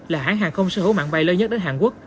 là hãng hàng không sở hữu mạng bay lớn nhất đến hàn quốc